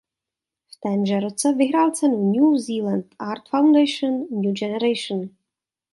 V témže roce vyhrál cenu New Zealand Arts Foundation New Generation.